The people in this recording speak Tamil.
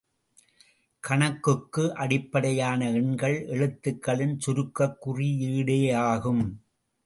கணக்குக்கு அடிப்படையான எண்கள் எழுத்துக்களின் சுருக்கக் குறியீடேயாகும்.